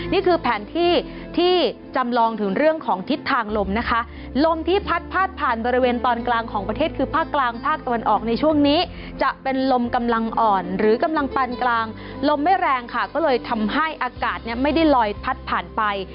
นี่คือแผนที่ที่จำลองถึงเรื่องของทิศทางลมนะคะลมที่พัดพาดผ่านบริเวณตอนกลางของประเทศคือภาคกลางภาคตะวันออกในช่วงนี้จะเป็นลมกำลังอ่อนหรือกำลังปันกลางลมไม่แรงค่ะก็เลยทำให้อากาศเนี่ยไม่ได้ลอยพัดผ่านไป